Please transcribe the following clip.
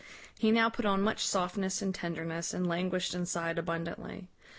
He now put on much softness and tenderness, and languished and sighed abundantly.